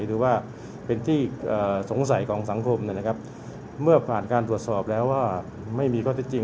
หรือว่าเป็นที่สงสัยของสังคมนะครับเมื่อผ่านการตรวจสอบแล้วว่าไม่มีข้อเท็จจริง